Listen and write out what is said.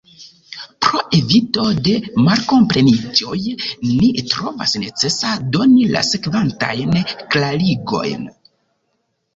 Pro evito de malkompreniĝoj, ni trovas necesa doni la sekvantajn klarigojn.